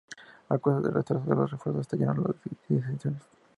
A causa del retraso de los refuerzos, estallaron las disensiones.